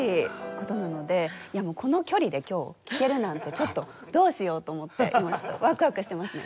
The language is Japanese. この距離で今日聴けるなんてちょっとどうしようと思って今ちょっとワクワクしてますね。